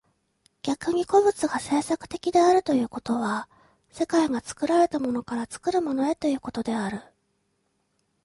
逆に個物が製作的であるということは、世界が作られたものから作るものへということである。